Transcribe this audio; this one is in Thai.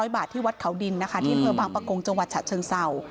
๓๕๐๐บาทที่วัดเขาดินที่เฮือบังปะกงจังหวัดฉะเชิงเสา